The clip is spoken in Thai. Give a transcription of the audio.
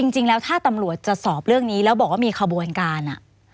จริงแล้วถ้าตำรวจจะสอบเรื่องนี้แล้วบอกว่ามีขบวนการ